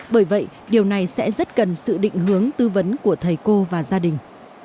bởi vậy điều này sẽ rất cần sự định hướng tư vấn của thầy cô và gia đình